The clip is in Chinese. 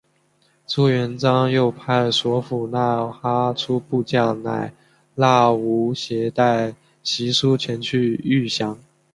朱元璋又派所俘纳哈出部将乃剌吾携带玺书前去谕降。